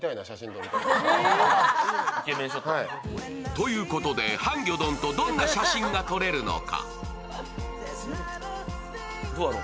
ということで、ハンギョドンとどんな写真が撮れるのか？